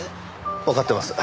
わかってます。